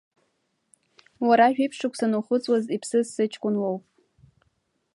Уара жәиԥшь шықәса анухыҵуаз иԥсыз сыҷкәын уоуп.